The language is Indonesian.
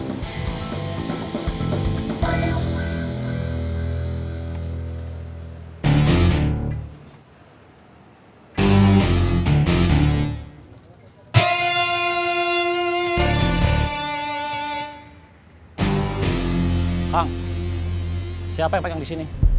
hang siapa yang pegang di sini